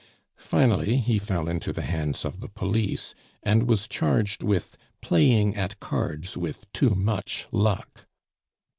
Finally he fell into the hands of the police, and was charged with playing at cards with too much luck.